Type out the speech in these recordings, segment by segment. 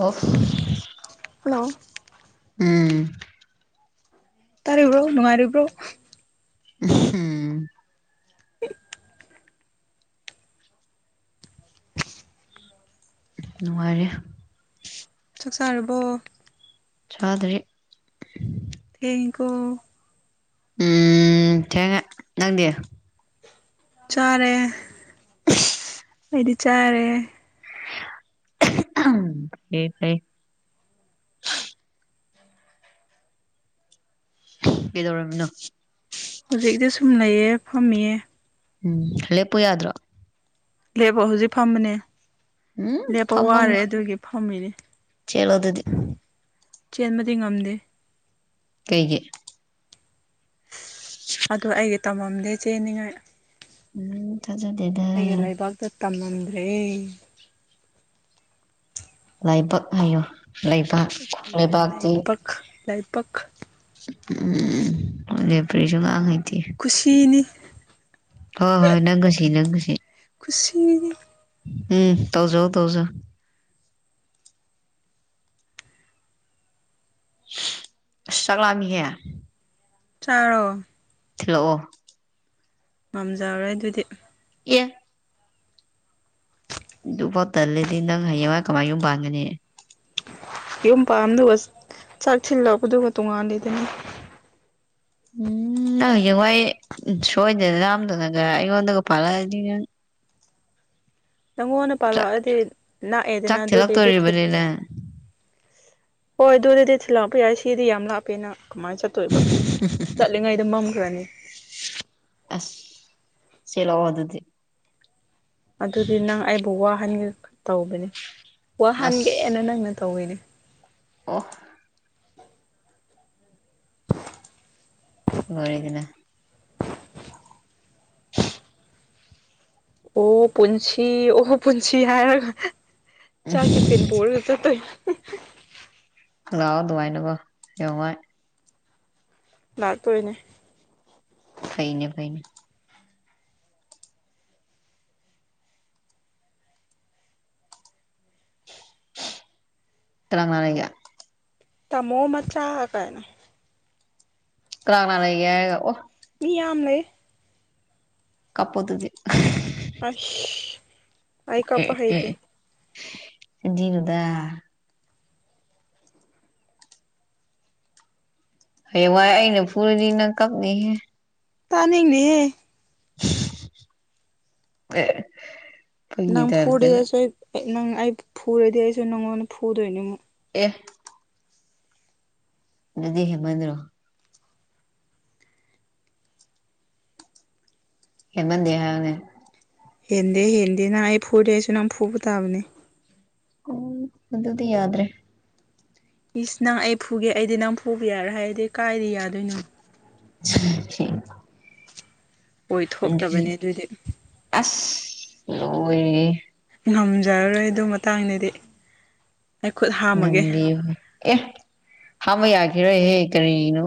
ꯑꯣ ꯍꯂꯣ ꯎꯝ ꯇꯥꯔꯔꯤꯕ꯭ꯔꯣ ꯅꯨꯡꯉꯥꯏꯔꯤꯕ꯭ꯔꯣ ꯎꯝ ꯎ ꯅꯨꯡꯉꯥꯏꯔꯦ ꯁꯥꯔꯔꯕꯣ ꯆ ꯑꯗꯨꯔꯤ ꯇꯀ ꯎꯝ ꯊꯦꯡꯉ ꯅꯪꯗꯤ ꯆꯔꯦ ꯑꯩꯗꯤ ꯆꯥꯔꯦ ꯐ ꯐ ꯀꯩꯗꯧꯔꯝꯃꯤꯅꯣ ꯍꯧꯖꯤꯛꯇꯗꯤ ꯁꯨꯝ ꯂꯩꯩꯌꯦ ꯐꯝꯃꯤꯌꯦ ꯎꯝ ꯂꯦꯞꯄꯨ ꯌꯥꯗ꯭ꯔꯣ ꯂꯦꯕꯣ ꯍꯧꯖꯤꯛ ꯐꯝꯕꯅꯦ ꯎꯝ ꯂꯦꯞꯄ ꯋꯥꯔꯦ ꯐꯝꯃꯝꯕꯣꯏ ꯑꯗꯨꯒꯤ ꯐꯝꯃꯤꯅꯦ ꯆꯦꯜꯂꯣ ꯑꯗꯨꯗꯤ ꯆꯦꯟꯕꯗꯤ ꯉꯝꯗꯦ ꯀꯩꯒꯤ ꯑꯗꯨ ꯑꯩꯒꯤ ꯇꯝꯃꯝꯗꯤ ꯆꯦꯅꯤꯡꯉꯥꯏ ꯎꯝ ꯆꯖꯗꯦꯗ ꯇꯝꯃꯝꯗ꯭ꯔꯦ ꯂꯥꯏꯕꯛ ꯍꯥꯏꯌꯨ ꯂꯩꯕꯥꯛ ꯂꯩꯕꯥꯛꯁꯤ ꯂꯥꯏꯕꯛ ꯂꯥꯏꯕꯛ ꯎꯝ ꯑꯣ ꯐꯔꯤꯁꯨꯉ ꯈꯨꯨꯁꯤꯅꯤ ꯍꯣꯏ ꯍꯣꯏ ꯅꯪꯒꯁꯤ ꯅꯪꯉꯁꯤ ꯈꯨꯁꯤ ꯎꯝ ꯇꯧꯖꯣ ꯇꯧꯖꯣ ꯆꯒꯂꯃꯤꯍꯦ ꯆꯂꯣ ꯈꯂꯑꯣ ꯉꯝꯖꯔꯔꯦ ꯑꯗꯨꯗꯤ ꯌꯦ ꯑꯗꯨ ꯄꯥꯎ ꯇꯜꯂꯗꯤ ꯅꯪ ꯍꯌꯦꯡꯋꯥ ꯀꯃꯥꯏ ꯌꯨꯝ ꯄꯥꯟꯒꯅꯤ ꯌꯨꯝ ꯄꯥꯝꯗꯨꯒ ꯆꯥꯛꯁꯤꯤꯜꯂꯛꯄꯗꯨꯒ ꯇꯣꯉꯥꯟꯜꯂꯤꯗꯅꯤ [unintelligible] ꯎꯝ ꯅꯪ ꯍꯌꯦꯡꯋꯥꯏ ꯁꯣꯏꯗꯅ ꯌꯥꯝꯝꯗꯅꯒ ꯑꯩꯉꯣꯟꯗꯒ ꯄꯥꯜꯂꯛꯑꯗꯤ ꯅꯪ ꯅꯪꯉꯣꯟꯗ ꯆꯥꯛ ꯄꯥꯜꯂꯛꯑꯗꯤ ꯂꯥꯛꯑꯦꯗꯅ ꯆꯥꯛ ꯑꯗꯨꯗꯗꯤ ꯊꯤꯜꯂꯛꯇꯣꯔꯤꯕꯅꯤ ꯊꯤꯟꯑꯦ ꯅꯪ ꯍꯣꯏ ꯑꯗꯨꯗꯗꯤ ꯊꯤꯜ ꯂꯥꯛꯄ ꯌꯥꯏ ꯁꯤꯗꯤ ꯌꯥꯝ ꯂꯥꯞꯄꯦꯅ ꯀꯃꯥꯏꯅ ꯆꯠꯇꯣꯏꯕ ꯆꯠꯂꯤꯉꯩꯗ ꯃ ꯅꯤ ꯑꯁ ꯆꯂ ꯋꯥ ꯑꯗꯨꯗꯤ ꯑꯗꯨꯗꯤ ꯅꯪ ꯑꯩꯕꯨ ꯋꯥꯍꯟꯒꯦ ꯇꯧꯕꯅꯦ ꯑꯁ ꯋꯥꯍꯟꯒꯦꯅ ꯅꯪꯅ ꯇꯧꯋꯏꯅꯦ ꯑꯣ ꯋꯥꯔꯤꯗꯅ ꯑꯣ ꯄꯨꯟꯁꯤ ꯑꯣ ꯄꯨꯟꯁꯤ ꯍꯥꯏꯔ ꯆꯥꯛꯗꯤ ꯐꯅ ꯣꯔꯒ ꯆ ꯇ ꯉ ꯉꯥꯎ ꯑꯗꯨꯉꯥꯏꯅꯀꯣ ꯌꯦꯉꯥꯏ ꯂꯥꯛꯇꯏꯅꯦ ꯐꯩꯅꯦ ꯐꯩꯅꯦ ꯇꯔꯅꯦꯀ ꯇꯥꯃꯣ ꯃꯆꯥ ꯀꯥꯏꯅ ꯀꯥꯅꯥ ꯂꯩꯒ ꯍꯦ ꯑꯣ ꯃꯤ ꯌꯥꯝꯝ ꯂꯩ ꯀꯄꯗꯨꯗꯤ ꯑ ꯑꯩ ꯀꯄ ꯍꯥꯏꯩꯗꯦ ꯖꯤꯔꯨꯗ ꯍꯌꯦ ꯋꯥ ꯑꯩꯅ ꯐꯨꯔꯤꯔꯤꯅ ꯀꯝꯅꯤ ꯍꯦ ꯇꯅꯤꯡꯅꯤ ꯑꯦ ꯐꯥꯒꯤ ꯅꯪ ꯇꯥꯏꯞꯇ ꯐꯨꯗꯦꯗꯁꯨ ꯅꯪ ꯑꯩ ꯐꯨꯔꯗꯤ ꯑꯩꯁꯨ ꯅꯉꯣꯟꯗ ꯐꯨꯗꯣꯏꯅꯦ ꯑꯃꯨꯛ ꯇ ꯑꯗꯨꯗꯤ ꯍꯦ ꯃꯗ꯭ꯔꯣ ꯍꯃꯟꯗꯦ ꯌꯥꯅꯦ ꯍꯦꯟꯗꯦ ꯍꯦꯟꯗꯦ ꯅꯪ ꯑꯩ ꯐꯨꯗꯦ ꯑꯩꯁꯨ ꯅꯪ ꯐꯨꯕ ꯇꯥꯕꯅꯦ ꯎꯝ ꯑꯗꯨꯗꯤ ꯌꯥꯗ꯭ꯔꯦ ꯏꯁ ꯅꯪ ꯑꯩ ꯐꯨꯒꯦ ꯑꯩꯗꯤ ꯅꯪ ꯐꯨꯕ ꯌꯥꯔꯦ ꯍꯥꯏꯗꯤ ꯀꯥꯏꯗꯤ ꯌꯥꯗꯣꯏꯅꯣ [unintelligible] ꯑꯣꯏꯊꯣꯛꯇꯕꯅꯦ ꯑꯗꯨꯗꯤ ꯑꯁ ꯂ ꯉꯝꯖꯔꯔꯣꯏ ꯑꯗꯨ ꯃꯇꯥꯡꯗꯗꯤ ꯑꯩ ꯈꯨꯠ ꯍꯥꯝꯃꯒꯦ ꯉꯟꯗꯤ ꯑꯦ ꯍꯥꯃ ꯌꯥꯈꯤꯔꯣꯏꯍꯦ ꯀꯔꯤꯅꯣ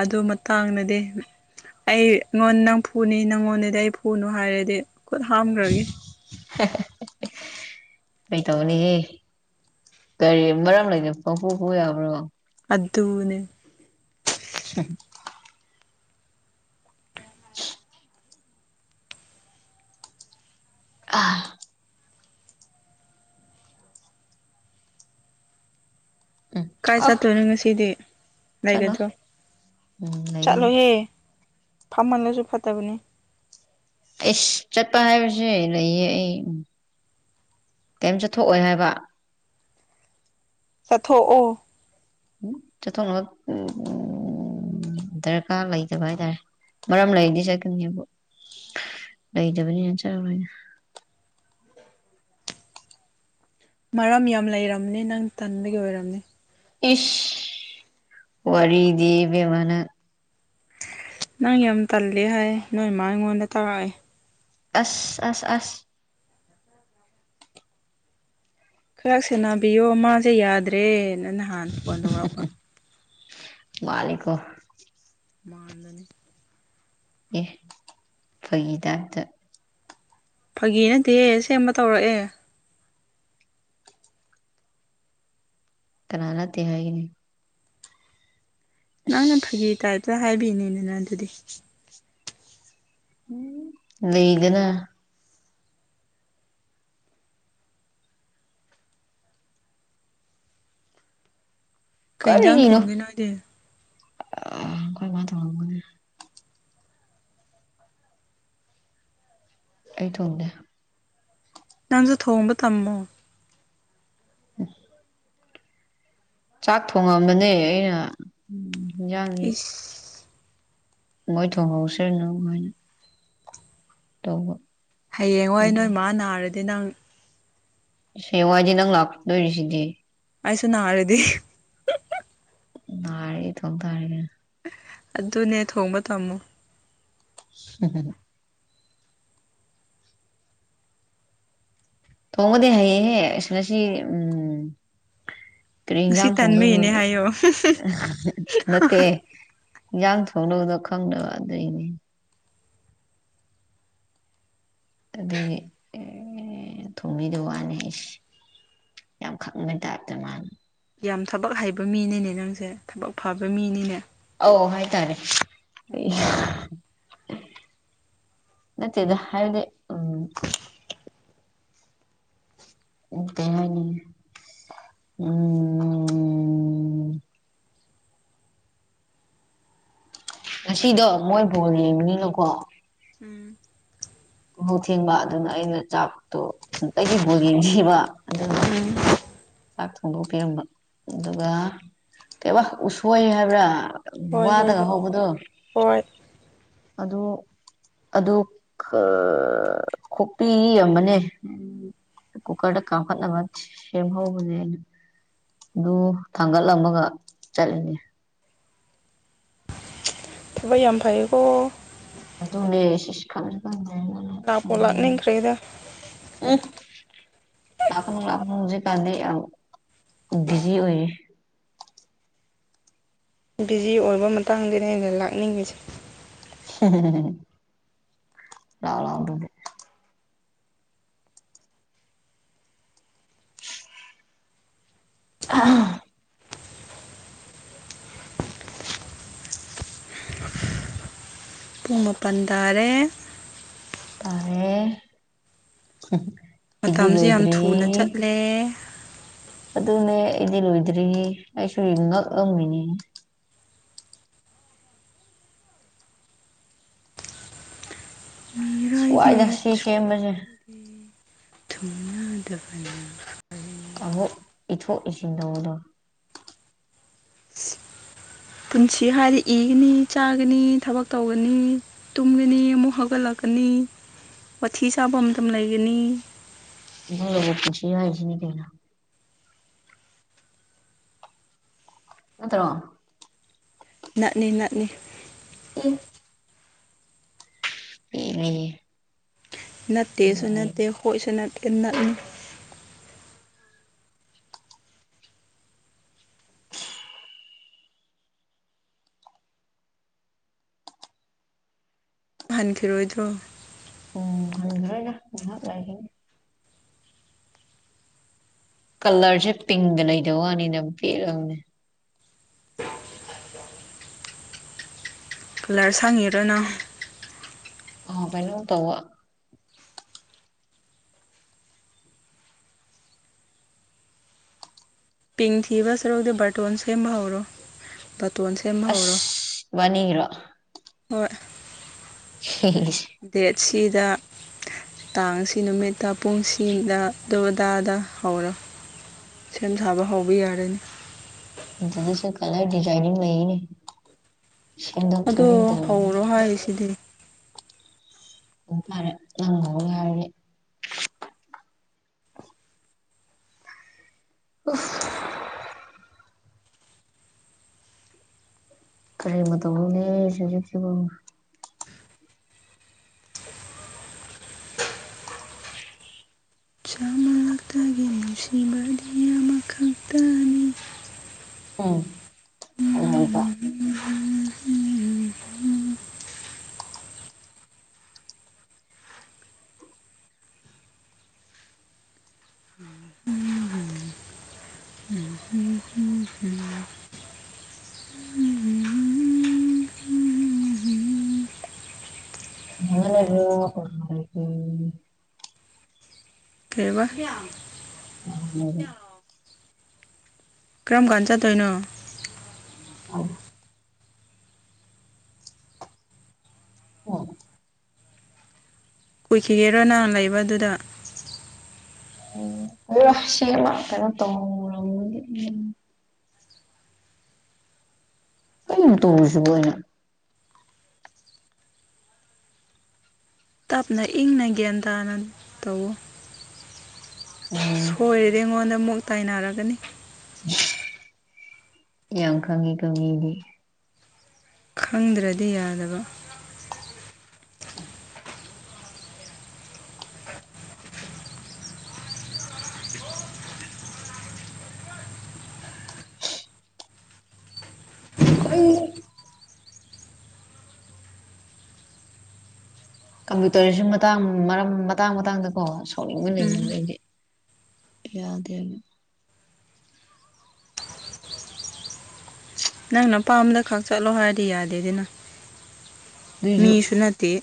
ꯑꯗꯨ ꯃꯇꯥꯡꯅꯗꯤ ꯑꯩꯉꯣꯟꯗ ꯅꯪ ꯐꯨꯅꯤ ꯅꯪꯉꯣꯟꯗꯗꯤ ꯑꯩ ꯐꯨꯅꯨ ꯍꯥꯏꯔꯗꯤ ꯈꯨꯠ ꯍꯥꯝꯈ꯭ꯔꯒꯦ [unintelligible] [unintelligible] ꯀꯩꯇꯧꯕꯅꯤꯍꯦ ꯀꯔꯤ ꯃꯔꯝ ꯂꯩꯅꯅ ꯄꯄꯨꯄꯨ ꯌꯥꯕ꯭ꯔꯣ ꯃꯗꯅ [unintelligible] ꯑꯥ ꯎꯝ ꯀꯥꯏ ꯑ ꯆꯠꯇꯣꯏꯅꯣ ꯉꯁꯤꯗꯤ ꯆꯠꯂꯣꯏ ꯂꯩꯒꯗ꯭ꯔꯣ ꯎꯝ ꯂꯩꯒꯅꯤ ꯆꯠꯂꯣꯍꯦ ꯐꯝꯃꯜꯂꯁꯨ ꯐꯠꯇꯕꯅꯤ ꯏꯁꯁ ꯆꯠꯄ ꯍꯥꯏꯕꯁꯦ ꯂꯩꯌꯦ ꯑꯩ ꯀꯩꯝꯇꯊꯣꯛꯑꯣꯏ ꯍꯥꯏꯕ ꯆꯠꯊꯣꯛꯑꯣ ꯊꯅ ꯎ ꯎ ꯎꯝ ꯗꯔꯀꯥꯔ ꯂꯩꯇꯕ ꯍꯥꯏꯇꯥꯔꯦ ꯃꯔꯝ ꯂꯩꯔꯗꯤ ꯆꯠꯀꯅꯤꯕꯨ ꯂꯩꯇꯕꯅꯤꯅ ꯆꯠꯣꯏꯅ ꯃꯔꯝ ꯌꯥꯝ ꯂꯩꯔꯝꯅꯤ ꯅꯪ ꯇꯟꯕꯒꯤ ꯑꯣꯏꯔꯝꯅꯤ ꯏꯁ ꯋꯥꯔꯤꯗꯤꯦꯕꯕꯅ ꯅꯪ ꯌꯥꯝ ꯇꯜꯜꯂꯤ ꯍꯥꯏ ꯅꯣꯏ ꯏꯃ ꯑꯩꯉꯣꯟꯗ ꯇꯥꯛꯔꯛꯑꯦ ꯑꯁ ꯑꯁ ꯑꯁ ꯈꯔ ꯁꯦꯟꯅꯕꯤꯌꯣ ꯃꯥꯁꯦ ꯌꯥꯗ꯭ꯔꯦꯅ ꯅꯍꯥꯟ ꯐꯣꯟ ꯇꯧꯔꯛꯄ ꯃꯥꯅꯤꯀꯣ ꯃꯥꯗꯅꯤ ꯑꯦ ꯐꯒꯤꯗꯝꯇ ꯐꯥꯒꯤ ꯅꯠꯇꯦꯍ ꯁꯦꯝꯕ ꯇꯧꯔꯛꯑꯦ ꯀꯥꯅꯥꯗꯤ ꯍꯥꯏꯅꯦ ꯅꯪꯅ ꯐꯥꯒꯤ ꯇꯥꯏꯞꯇ ꯍꯥꯏꯕꯤꯅꯤꯗꯅ ꯑꯗꯨꯗꯤ ꯂꯩꯗꯅ ꯀꯩꯖꯥꯡ ꯊꯣꯡꯕꯤꯦꯅꯣꯗꯤ ꯑ ꯀꯣꯏ ꯃꯥ ꯊ ꯋꯥꯒꯅꯦ ꯑꯩ ꯊꯣꯡꯗꯦ ꯅꯪꯁꯨ ꯊꯣꯡꯕ ꯇꯝꯃꯣ [unintelligible] ꯆꯥꯛ ꯊꯣꯡꯉꯝꯕꯅꯦ ꯑꯩꯅ ꯎ ꯍꯟꯖꯥꯡꯅꯤ ꯏꯁ ꯃꯣꯏ ꯊꯍꯧꯁꯦꯅꯅꯨꯡ ꯍꯥꯏꯣꯏꯅ ꯇꯧꯕꯥ ꯍꯌꯦꯡ ꯍꯣꯏ ꯅꯣꯏ ꯃꯥ ꯅꯥꯔꯗꯤ ꯅꯪ ꯁꯦꯋꯥꯖꯤ ꯅꯪ ꯂꯥꯛꯗ ꯁꯤꯗꯤ ꯑꯩꯁꯨꯅꯔꯦꯗꯤ ꯅꯥꯔꯦ ꯑꯩ ꯏꯇꯣꯝ ꯇꯥꯔꯦ ꯑꯗꯨꯅꯦ ꯊꯣꯡꯕ ꯇꯝꯃꯨ [unintelligible] ꯊꯣꯡꯕꯗꯤ ꯍꯩ ꯌꯦ ꯑꯁ ꯉꯁꯤꯎꯝ ꯀꯔꯤ ꯉꯁꯤ ꯏꯟꯁꯥꯡ ꯊꯣꯡꯗꯣꯏꯅꯣ ꯇꯟꯕꯒꯤꯅꯦ ꯍꯥꯏꯌꯣ ꯅꯠꯇꯦ ꯏꯟꯁꯥꯡ ꯊꯣꯡꯅꯕ ꯗꯣ ꯈꯪꯗꯕ ꯑꯗꯨꯩꯅꯦ ꯑꯗꯨꯒꯤ ꯑꯦ ꯊꯣꯡꯕꯤꯗ ꯋꯥꯅꯤ ꯑꯩꯁ ꯌꯥꯝ ꯈꯪꯉꯩ ꯇꯥꯏꯞꯇ ꯃꯥꯅꯤ ꯌꯥꯝ ꯊꯕꯛ ꯍꯩꯕ ꯃꯤꯅꯤꯅꯦ ꯅꯪꯁꯦ ꯊꯕꯛ ꯐꯕ ꯃꯤꯅꯤꯅꯦ ꯑꯣ ꯍꯥꯏꯇꯥꯔꯦ ꯅꯠꯇꯦꯗ ꯍꯥꯏꯗꯤ ꯎꯝ ꯎ ꯀꯅꯤ ꯎꯝ ꯉꯁꯤꯗꯣ ꯃꯣꯏ ꯕꯣꯜ ꯌꯦꯡꯕꯅꯤꯅꯀꯣ ꯎꯝ ꯉꯧ ꯊꯦꯡꯕ ꯑꯗꯨꯅ ꯑꯩꯅ ꯆꯥꯛꯇꯣꯨꯝ ꯑꯩꯗꯤ ꯕꯣ ꯌꯦꯡ ꯊꯕ ꯑꯗꯨꯅ ꯎꯝ ꯆꯥꯛ ꯊꯣꯡꯗꯣꯛꯄꯤꯔꯝꯕ ꯑꯗꯨꯒ ꯀꯩꯕ ꯎꯁꯣꯏ ꯍꯥꯏꯕ꯭ꯔꯥ ꯎ ꯍꯣꯏ ꯍꯣꯏ ꯋꯥꯗꯒ ꯍꯣꯏ ꯍꯧꯕꯗꯣ ꯍꯣꯏ ꯑꯗꯨ ꯑꯗꯨ ꯈꯣꯛꯄꯤ ꯑꯃꯅꯦ ꯀꯨꯀꯔ ꯀꯥꯄꯠꯅꯕ ꯁꯦꯕꯥꯎꯖꯅ ꯑꯗꯨ ꯊꯥꯡꯒꯠꯂꯝꯃꯒ ꯆꯠꯂꯤꯅꯦ ꯊꯕꯥꯥꯏ ꯌꯥꯝ ꯐꯥꯏꯀꯣ ꯑꯗꯨꯅꯦꯁꯤꯦꯁ ꯈꯂꯔ ꯀ ꯂꯥꯞꯄꯣꯂꯥꯛꯅ ꯀꯔꯤꯗ ꯂꯥꯛꯀꯅꯅꯨꯡ ꯂꯥꯛꯀꯅꯨ ꯍꯧꯖꯤꯛ ꯀꯥꯟꯗꯩ ꯕꯤꯖꯤ ꯑꯣꯏ ꯕꯤꯖꯤ ꯑꯣꯏꯕ ꯃꯇꯥꯡꯗꯅꯦ ꯑꯩꯅ ꯂꯥꯛꯅꯤꯡꯉꯤꯁꯦ ꯂꯔ ꯑ ꯄꯨꯡ ꯃꯥꯄꯜ ꯇꯥꯔꯦ ꯇꯔꯦ ꯃꯇꯝꯁꯨ ꯌꯥꯝ ꯊꯨꯅ ꯆꯠꯂꯦ ꯑꯗꯨꯅꯦ ꯑꯩꯗꯤ ꯂꯣꯏꯗ꯭ꯔꯤꯉ ꯑꯩꯁꯨ ꯉꯛꯑꯝꯃꯤꯅꯦ ꯃꯤꯔꯥꯏꯕꯤ ꯁ꯭ꯋꯥꯏꯗ ꯁꯤ ꯁꯦꯝꯕꯁꯦ ꯗ ꯐ ꯑꯕꯨ ꯏꯠꯊ ꯏꯁꯤꯤꯟ ꯇꯧꯕꯗ ꯄꯨꯟꯁꯤ ꯍꯥꯏꯗꯤ ꯏꯒꯅꯤ ꯆꯥꯒꯅꯤ ꯊꯕꯛ ꯇꯧꯒꯅꯤ ꯇꯨꯝꯒꯅꯤ ꯑꯃꯨꯛ ꯍꯧꯒꯠꯂꯛꯀꯅꯤ ꯃꯊꯤ ꯁꯥꯕ ꯑꯃꯇ ꯂꯩꯒꯅꯤ ꯁꯤ ꯄꯨꯁꯤ ꯍꯥꯏꯁꯤꯅꯤ ꯀꯅ ꯅꯠꯇ꯭ꯔꯣ ꯅꯥꯅꯤ ꯅꯅꯥꯅꯤ [unintelligible] ꯍ ꯂꯩ ꯅꯠꯇꯦꯁꯨ ꯅꯠꯇꯦ ꯍꯣꯣꯏꯁꯨ ꯅ ꯅꯅꯤ ꯍꯟꯈꯤꯔꯣꯏꯗ꯭ꯔꯣ ꯎꯝ ꯍꯔꯣꯏꯅ ꯉꯍꯥꯛ ꯂꯒꯅꯤ ꯀꯂꯔꯁꯦ ꯄꯤꯡꯗ ꯂꯩꯗꯕ ꯋꯥꯅꯤꯅ ꯄꯦꯔꯅꯦ ꯀꯂꯔ ꯁꯥꯡꯉꯦꯔꯅ ꯑꯣ ꯀꯩꯅ ꯇꯋꯥ ꯄꯤꯡ ꯊꯤꯕ ꯁꯔꯨꯛꯇꯗꯤ ꯕꯥꯔꯇꯣꯟ ꯁꯦꯝꯕ ꯍꯧꯔꯣ ꯕꯥꯔꯇꯣꯟ ꯁꯦꯝꯕ ꯍꯧꯔꯣ ꯑꯁ ꯃꯥꯅꯤꯔꯣ ꯍꯣꯏ ꯍꯝ ꯗꯦꯠ ꯁꯤꯗ ꯇꯥꯡꯁꯤ ꯅꯨꯃꯤꯠꯇ ꯄꯨꯡꯁꯤꯗ ꯑꯗꯨꯗꯥꯗ ꯍꯧꯔꯣ ꯁꯦꯝ ꯁꯥꯕ ꯍꯧꯕ ꯌꯥꯔꯅꯤ ꯑꯗꯨ ꯑꯗꯨꯁꯨ ꯀꯂꯔ ꯗꯤꯖꯥꯏꯅꯤꯡ ꯂꯩꯅꯦ ꯍ ꯐ ꯑꯗꯣ ꯇꯔ ꯍꯧꯔꯣ ꯍꯥꯏꯔꯤꯁꯤꯗꯤ ꯑ ꯐꯔꯦ ꯉꯉꯣ ꯌꯥꯕꯦ ꯎꯐ ꯀꯔꯤ ꯃꯇꯧꯅꯦꯖꯤꯛ ꯆꯃꯔꯛꯇꯒꯤ ꯅꯨꯡꯁꯤꯕꯗꯤ ꯑꯃꯈꯛꯇꯅꯤ ꯎꯝ ꯑꯀ ꯑꯅꯦꯔ ꯇꯔ ꯀꯩꯕ ꯑꯉ ꯀ꯭ꯔꯝ ꯈꯟ ꯆ ꯇꯣꯏꯅꯣ ꯑ ꯎꯝ ꯀꯨꯈꯤꯒꯦꯔꯣ ꯅꯍꯪ ꯂꯩꯕꯗꯨꯗ ꯎꯝꯁꯤ ꯃꯥ ꯀꯩꯅꯣ ꯇꯣꯡꯉ ꯀ ꯇꯨꯁꯕꯣꯩꯅ ꯇꯞꯅ ꯏꯪꯅ ꯒ꯭ꯌꯥꯟ ꯇꯥꯅ ꯇꯧꯋꫭ ꯎꯝ ꯁꯣꯏꯔꯗꯤ ꯑꯩꯉꯣꯟꯗ ꯃꯨꯛ ꯇꯥꯏꯅꯔꯛꯀꯅꯤ ꯌꯥꯝ ꯈꯪꯉꯤꯀꫭ ꯃꯤꯗꯤ ꯈꯪꯗ꯭ꯔꯥꯗꯤ ꯌꯥꯗꯕ ꯑꯏ [unintelligible] ꯀꯝꯄ꯭ꯌꯨꯇꯔꯁꯨ ꯃꯇꯥꯡ ꯃꯔꯝ ꯃꯇꯥꯡ ꯃꯇꯥꯡꯗꯀꯣ ꯁꯣꯛꯅꯤꯡꯕ ꯂꯩꯌꯦꯕ ꯎꯝ ꯑꯩꯗꯤ ꯌꯗꯦꯅ‌ꯦ ꯅꯪꯅ ꯑꯄꯥꯝꯕꯗ ꯈꯛ ꯆꯠꯂꯣ ꯍꯥꯏꯔꯗꯤ ꯌꯥꯗꯦꯗꯅꯥ ꯑꯗꯨꯏꯁꯨ ꯃꯤꯁꯨꯅꯠꯇ‌ꯦ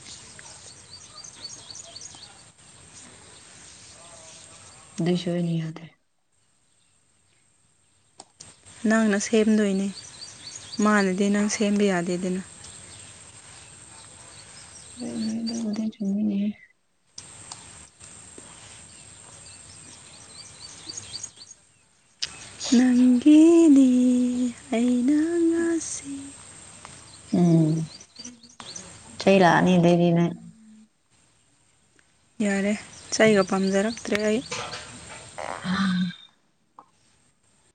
ꯑꯗꫭꯏꯁꯨ ꯑꯩꯅꯥ ꯌꯗ‌ꯦ ꯅꯪꯅ ꯁꯦꯝꯗꯣꯏꯅꯦ ꯃꯥꯅꯗꯤ ꯅꯪ ꯁꯦꯝꯕ ꯌꯥꯗꯦꯗꯅ ꯅꫭꯏꯅ‌ꯦꯗꯨꯕꯨꯗꯤ ꯆꯨꯝꯃꯤꯅ‌ꯦꯍ‌ꯦ [unintelligible] ꯅꯪꯒꯤꯅꯤ ꯑꯩꯅ ꯉꯁꯤ ꯎꯝ ꯆꯩꯩ ꯂꯥꯛꯑꯅꯤ‌ꯑꯗꯩꯗꯤ ꯅꯪ ꯆꯩꯒ ꯄꯥꯝꯖꯔꯛꯇ꯭ꯔꯦ ꯑꯩ ꯎꯝ [unintelligible]